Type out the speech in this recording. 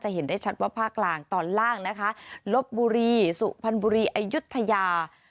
เห็นได้ชัดว่าภาคกลางตอนล่างนะคะลบบุรีสุพรรณบุรีอายุทยา